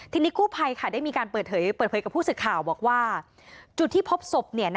ทีนี้กู้ภัยได้มีการเปิดเผยกับผู้สื่อข่าวบอกว่าจุดที่พบศพ